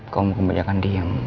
kamu kebanyakan diem